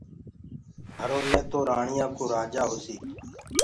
گھرو مي تو رآڻيآ ڪو رآجآ هوسي